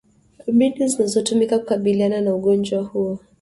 mbinu zinazotumika kukabiliana na ugonjwa huo